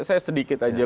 saya sedikit aja